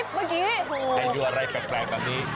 เปลี่ยนดูอะไรแปลกแบบนี้